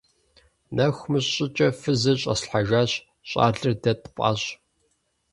Нэху мыщ щӀыкӀэ фызыр щӀэслъхьэжащ, щӀалэр дэ тпӀащ.